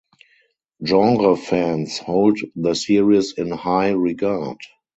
Genre fans hold the series in high regard.